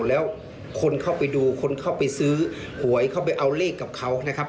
แล้วคนเข้าไปดูคนเข้าไปซื้อหวยเข้าไปเอาเลขกับเขานะครับ